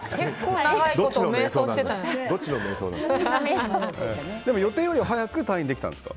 でも予定より早く退院できたんですか？